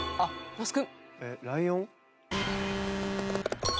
那須君。